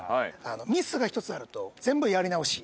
ミスが１つあると、全部やり直し。